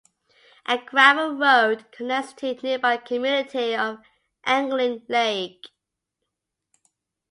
A gravel road connects to nearby community of Angling Lake.